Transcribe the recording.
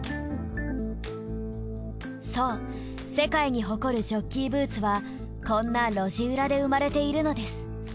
そう世界に誇るジョッキーブーツはこんな路地裏で生まれているのです。